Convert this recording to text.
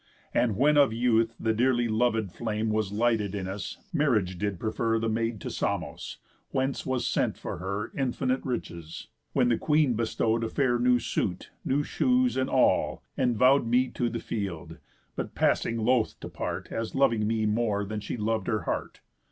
And when of youth the dearly lovéd flame Was lighted in us, marriage did prefer The maid to Samos; whence was sent for her Infinite riches, when the queen bestow'd A fair new suit, new shoes, and all, and vow'd Me to the field, but passing loth to part, As loving me more than she lov'd her heart.